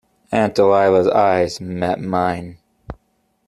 Aunt Dahlia's eyes met mine.